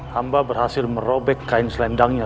hamba berhasil merobek kain selendangnya